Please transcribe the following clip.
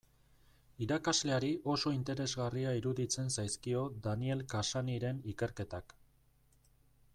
Irakasleari oso interesgarria iruditzen zaizkio Daniel Cassanyren ikerketak.